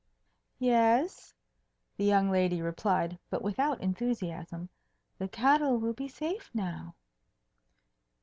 "Yes," the young lady replied, but without enthusiasm. "The cattle will be safe now."